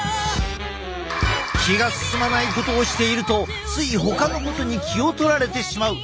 気が進まないことをしているとついほかのことに気を取られてしまう。